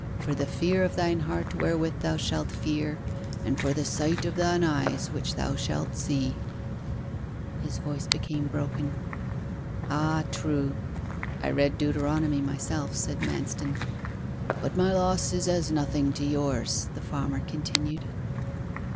for the fear of thine heart wherewith thou shalt fear, and for the sight of thine eyes which thou shalt see."' His voice became broken. 'Ah true. I read Deuteronomy myself,' said Manston. 'But my loss is as nothing to yours,' the farmer continued.